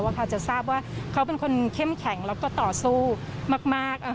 พอจะทราบว่าเขาเป็นคนเข้มแข็งแล้วก็ต่อสู้มาก